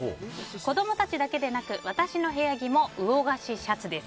子供たちだけでなく私のシャツも魚河岸シャツです。